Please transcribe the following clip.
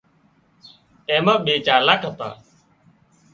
اين مان ٻي چالاڪ هتا